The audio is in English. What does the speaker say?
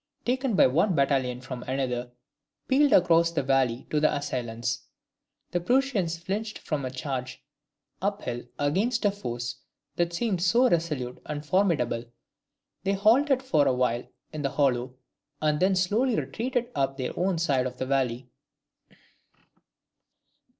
taken by one battalion from another, pealed across the valley to the assailants. The Prussians flinched from a charge up hill against a force that seemed so resolute and formidable; they halted for a while in the hollow, and then slowly retreated up their own side of the valley.